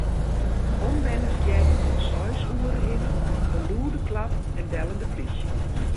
Omwenners hearden om seis oere hinne in lûde klap en bellen de plysje.